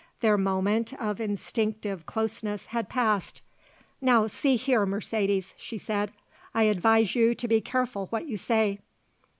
Their moment of instinctive closeness had passed. "Now see here, Mercedes," she said; "I advise you to be careful what you say."